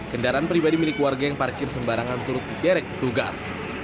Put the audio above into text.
kendaraan pribadi milik warga yang parkir sembarangan turut diderek petugas